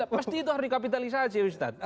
pasti itu harus dikapitalisasi ustadz